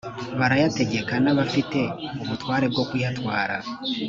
barayategeka n abafite ubutware bwo kuyatwara